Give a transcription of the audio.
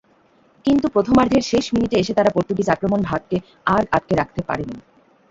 কিন্তু প্রথমার্ধের শেষ মিনিটে এসে তাঁরা পর্তুগিজ আক্রমণভাগকে আর আটকে রাখতে পারেনি।